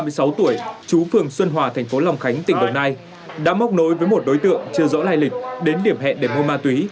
ba mươi sáu tuổi chú phường xuân hòa thành phố long khánh tỉnh đồng nai đã móc nối với một đối tượng chưa rõ lai lịch đến điểm hẹn để mua ma túy